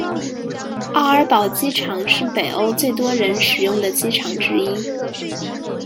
奥尔堡机场是北欧最多人使用的机场之一。